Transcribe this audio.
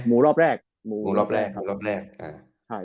หมู่รอปแรกหมู่รอปแรกหมู่รอปแรกอ่าใช่